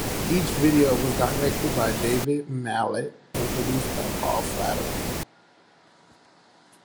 Each video was directed by David Mallet and produced by Paul Flattery.